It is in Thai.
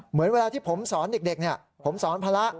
เหมือนเวลาที่ผมสอนเด็กผมสอนภาระ